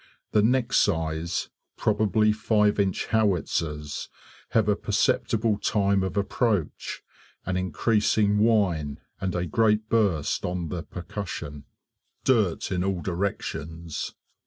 The next size, probably 5 inch howitzers, have a perceptible time of approach, an increasing whine, and a great burst on the percussion dirt in all directions.